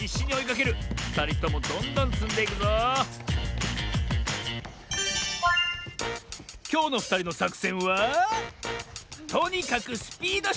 ふたりともどんどんつんでいくぞきょうのふたりのさくせんはとにかくスピードしょうぶ！